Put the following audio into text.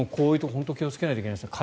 本当に気をつけないとですね。